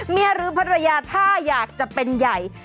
หรือภรรยาถ้าอยากจะเป็นใหญ่